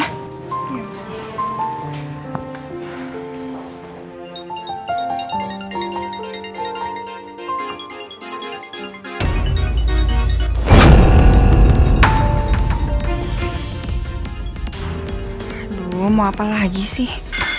aduh mau apa lagi sih